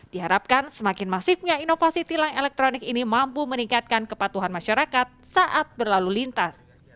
diharapkan semakin masifnya inovasi tilang elektronik ini mampu meningkatkan kepatuhan masyarakat saat berlalu lintas